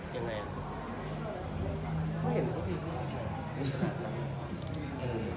เขาเห็นเขาดีกว่า